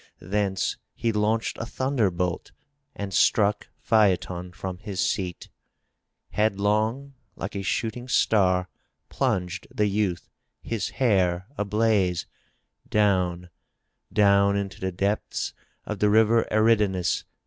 Thence he launched a thunderbolt and struck Phaeton from his seat. Head long, like a shooting star, plunged the youth, his hair ablaze, down, down into the depths of the river Eridanus.